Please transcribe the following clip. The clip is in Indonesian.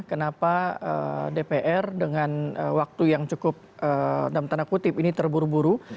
kenapa dpr dengan waktu yang cukup dalam tanda kutip ini terburu buru